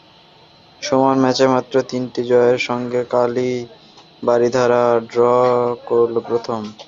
সমান ম্যাচে মাত্র তিনটি জয়ের সঙ্গে কালই বারিধারা ড্র করল প্রথম।